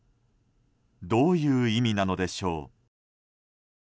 どういう意味なのでしょう。